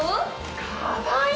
かわいい！